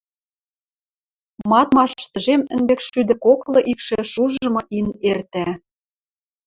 Мадмаш тӹжем ӹндекшшӱдӹ коклы икшӹ шужымы ин эртӓ.